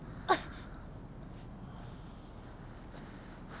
あっ！